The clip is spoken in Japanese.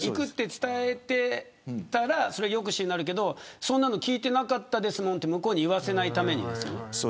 伝えていたら抑止になるけどそんなの聞いてなかったですと向こうに言わせないために。